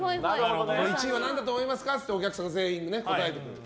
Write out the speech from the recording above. １位は何だと思いますかといってお客さんが答えてくれる。